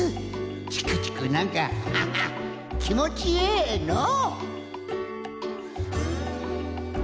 チクチクなんかハハッきもちええのう。